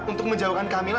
untuk menjauhkan camilla